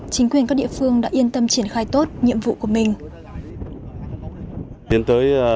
chính quyền các địa phương đã yên tâm triển khai tốt nhiệm vụ của mình